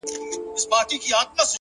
علم د پرمختګ لارې جوړوي!.